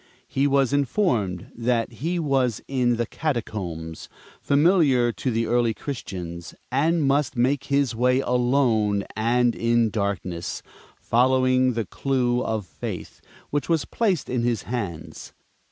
He was informed that he was in the Catacombs, familiar to the early Christians, and must make his way alone and in darkness, following the Clue of Faith which was placed in his hands.